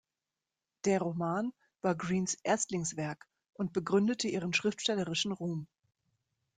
Der Roman war Greens Erstlingswerk und begründete ihren schriftstellerischen Ruhm.